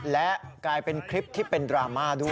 และกลายเป็นคลิปที่เป็นดราม่าด้วย